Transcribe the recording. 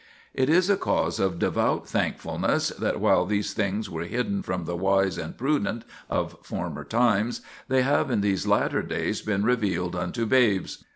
It is a cause of devout thankfulness that while these things were hidden from the "wise and prudent" of former times, they have in these latter days been revealed unto "babes."